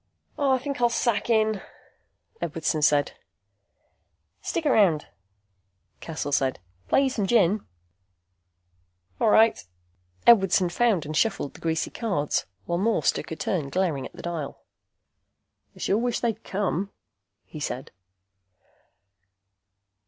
"I think I'll sack in," Edwardson said. "Stick around," Cassel said. "Play you some gin." "All right." Edwardson found and shuffled the greasy cards, while Morse took a turn glaring at the dial. "I sure wish they'd come," he said.